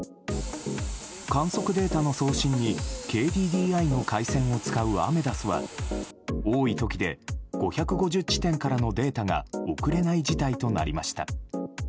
観測データの送信にＫＤＤＩの回線を使うアメダスは、多い時で５５０地点からのデータが送れない事態となりました。